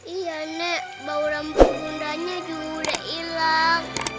iya nek bau rambut bundanya juga udah hilang